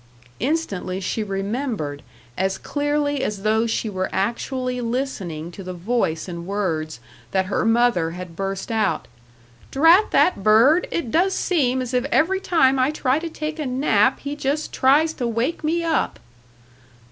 Instantly she remembered as clearly as though she were actually listening to the voice and words that her mother had burst out, "Drat that bird, it does seem as if every time I try to take a nap he just tries to wake me up."